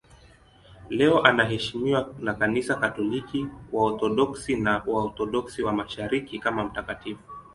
Leo anaheshimiwa na Kanisa Katoliki, Waorthodoksi na Waorthodoksi wa Mashariki kama mtakatifu.